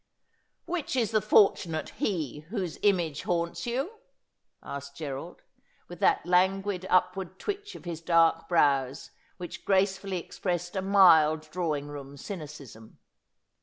' Which is the fortunate he whose image haunts you ?' asked Gerald, with that languid upward twitch of his dark brows which gracefully expressed a mild drawing room cynicism.